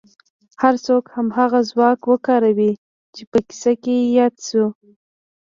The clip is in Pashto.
هر څوک هماغه ځواک وکاروي چې په کيسه کې ياد شو.